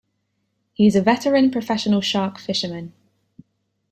He is a veteran professional shark fisherman.